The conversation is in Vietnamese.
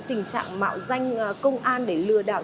tình trạng mạo danh công an để lừa đạo